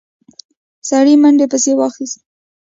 سړي منډه پسې واخيسته.